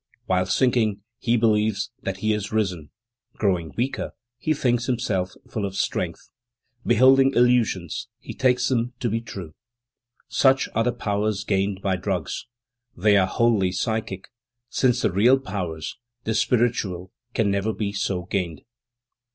While sinking, he believes that he has risen; growing weaker, he thinks himself full of strength; beholding illusions, he takes them to be true. Such are the powers gained by drugs; they are wholly psychic, since the real powers, the spiritual, can never be so gained.